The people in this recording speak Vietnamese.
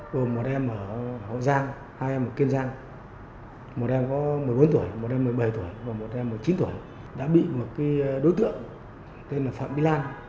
gồm một em ở hậu giang hai em ở kiên giang một em có một mươi bốn tuổi một em một mươi bảy tuổi và một em một mươi chín tuổi đã bị một đối tượng tên là phạm vi lan